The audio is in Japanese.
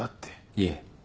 いえ。